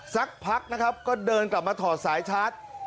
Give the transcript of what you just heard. สักพักนะครับก็เดินกลับมาถอดสายชาร์จ